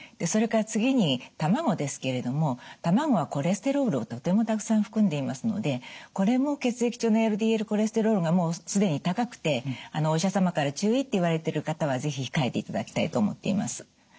それから次に卵ですけれども卵はコレステロールをとてもたくさん含んでいますのでこれも血液中のＬＤＬコレステロールがもう既に高くてお医者様から注意って言われてる方は是非控えていただきたいと思っています。